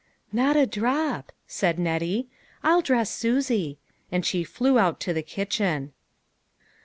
" Not a drop," said Nettie ; I'll dress Susie." And she flew out to the kitchen.